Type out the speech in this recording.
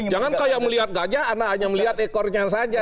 jangan kayak melihat gajah anda hanya melihat ekornya saja